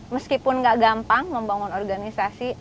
meskipun gak gampang membangun organisasi